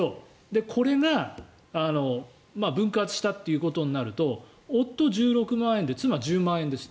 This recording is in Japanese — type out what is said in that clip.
これが分割したということになると夫１６万円で妻が１０万円です。